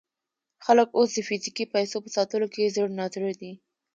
خلک اوس د فزیکي پیسو په ساتلو کې زړه نا زړه دي.